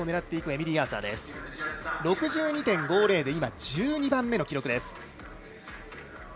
６２．５０で１２番目の記録です。